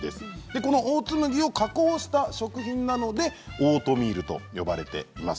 このオーツ麦を加工した食品なのでオートミールと呼ばれています。